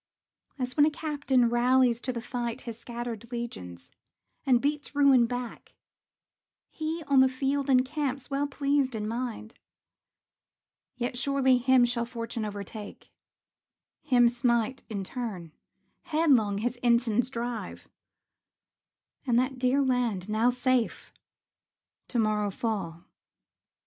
As when a captain rallies to the fight His scattered legions, and beats ruin back, He, on the field, encamps, well pleased in mind. Yet surely him shall fortune overtake, Him smite in turn, headlong his ensigns drive; And that dear land, now safe, to morrow fall.